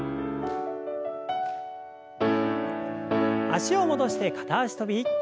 脚を戻して片脚跳び。